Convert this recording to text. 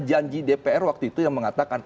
janji dpr waktu itu yang mengatakan